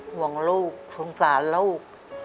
ห่วงลูกสงสารลูก